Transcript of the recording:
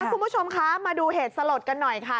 คุณผู้ชมคะมาดูเหตุสลดกันหน่อยค่ะ